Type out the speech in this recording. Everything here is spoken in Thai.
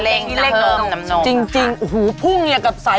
แล้วลูกทำไงกระโดดยับเลย